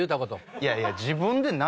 いやいや自分で何。